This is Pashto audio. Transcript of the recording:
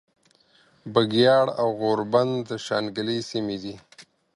بګیاړ او غوربند د شانګلې سیمې دي